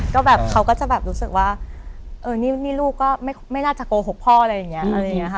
ก็แบบเขาก็จะแบบรู้สึกว่าเออนี่ลูกก็ไม่น่าจะโกหกพ่ออะไรอย่างนี้อะไรอย่างนี้ค่ะ